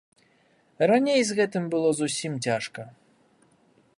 Раней з гэтым было зусім цяжка.